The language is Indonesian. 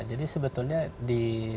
jadi sebetulnya di